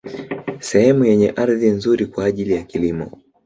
Sehemu yenye ardhi nzuri kwa ajili ya kilimo